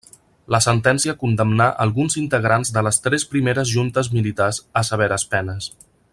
La sentència condemnà alguns integrants de les tres primeres juntes militars a severes penes.